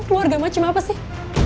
keluarga mah cuma apa sih